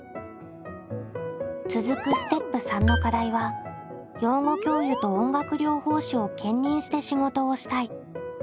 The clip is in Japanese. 続くステップ③の課題は「養護教諭と音楽療法士を兼任して仕事をしたい」。